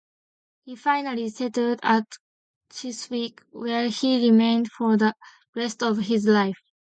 He finally settled at Chiswick where he remained for the rest of his life.